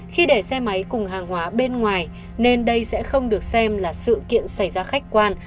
khi để xe máy cùng hàng hóa bên ngoài nên đây sẽ không được xem là sự kiện xảy ra khách quan